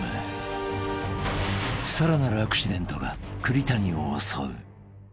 ［さらなるアクシデントが栗谷を襲う］